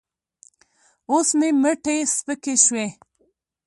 اوس مې مټې سپکې شوې.